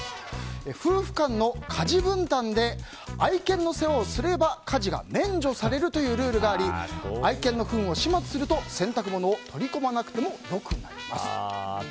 夫婦間の家事分担で愛犬の世話をすれば家事が免除されるというルールがあり愛犬のふんを始末すると洗濯物を取り込まなくてもよくなります。